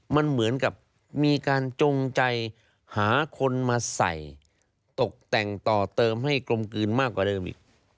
มันเหมือนกับมีการจงใจหาคนมาใส่ตกแต่งต่อเติมให้กลมกลืนมากกว่าเดิมอีก